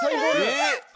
えっ？